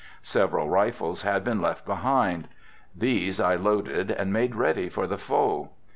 Several rifles had been left behind. These I loaded and made ready for the foe.